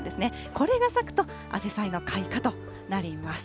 これが咲くと、アジサイの開花となります。